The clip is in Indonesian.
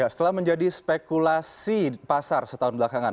setelah menjadi spekulasi pasar setahun belakangan